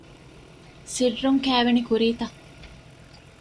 ސިއްރުން ކައިވެނި ކުރީތަ؟